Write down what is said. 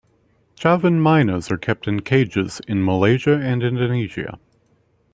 Javan mynas are kept in cages in Malaysia and Indonesia.